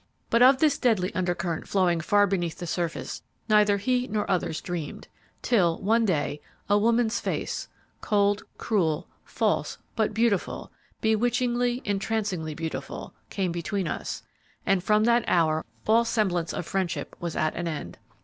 "But of this deadly undercurrent flowing far beneath the surface neither he nor others dreamed, till, one day, a woman's face cold, cruel, false, but beautiful, bewitchingly, entrancingly beautiful, came between us, and from that hour all semblance of friendship was at an end.